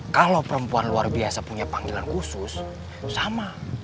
kalau perempuan luar biasa punya panggilan khusus sama